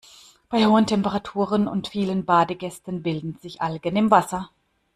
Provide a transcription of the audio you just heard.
Bei hohen Temperaturen und vielen Badegästen bilden sich Algen im Wasser.